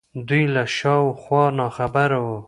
دوی له شا و خوا ناخبره وو